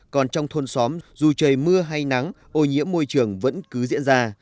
còn trong thôn xóm dù trời mưa hay nắng ô nhiễm môi trường vẫn cứ diễn ra